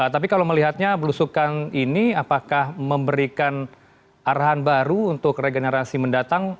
tapi kalau melihatnya belusukan ini apakah memberikan arahan baru untuk regenerasi mendatang